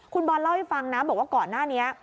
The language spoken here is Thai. คุณบอลเล่าให้ฟังนะบอกว่าก่อนหน้านี้